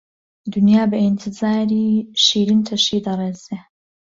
دونیا بە ئیتیزاری، شیرین تەشی دەڕێسێ